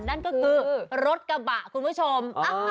นั่นก็คือรถกระบะคุณผู้ชม